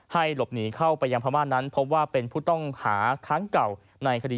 ให้หลบหนีเข้าไปยังพรรมาณนั้นเพราะว่าเป็นผู้ต้องหาค้างเก่าในคดียาเศพติดด้วย